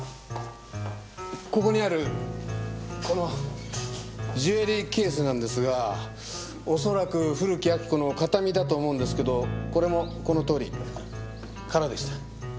ここにあるこのジュエリーケースなんですが恐らく古木亜木子の形見だと思うんですけどこれもこのとおり空でした。